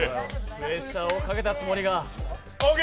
プレッシャーをかけたつもりが。